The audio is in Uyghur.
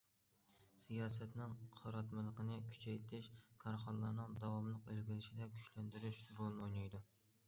سىياسەتنىڭ قاراتمىلىقىنى كۈچەيتىش— كارخانىلارنىڭ داۋاملىق ئىلگىرىلىشىدە كۈچلەندۈرۈش رولىنى ئوينايدۇ.